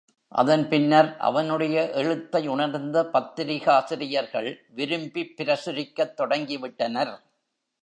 அதன் பின்னர், அவனுடைய எழுத்தை உணர்ந்த பத்திரிகாசிரியர்கள் விரும்பிப் பிரசுரிக்கத் தொடங்கிவிட்டனர்.